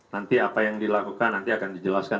nanti apa yang dilakukan nanti akan dijelaskan